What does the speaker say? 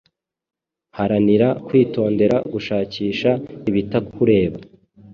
Haranira kwitondera gushakisha ibitakureba